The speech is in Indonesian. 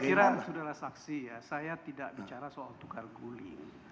saya pikiran saudara saksi ya saya tidak bicara soal tukar guling